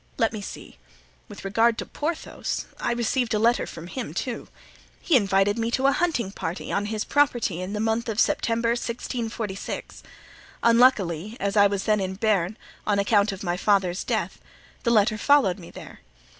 Let me see: with regard to Porthos, I received a letter from him, too. He invited me to a hunting party on his property in the month of September, 1646. Unluckily, as I was then in Bearn, on account of my father's death, the letter followed me there.